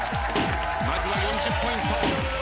まずは４０ポイント。